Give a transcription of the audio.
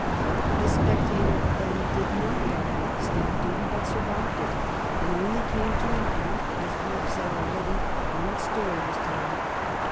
' The Spectator,' then, did not die with the stamp duty, but survived it, and only came to an end, as we have said already, when its story was told.